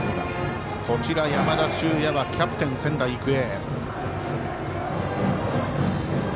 山田脩也はキャプテン、仙台育英。